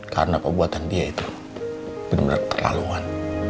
karena pembuatan dia itu bener bener terlaluan